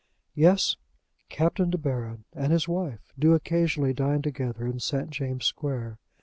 Yes! Captain De Baron and his wife do occasionally dine together in St. James' Square.